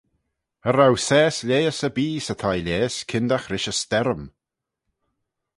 Cha row saase lheihys erbee 'sy thie-lhiehys kyndagh rish y sterrym.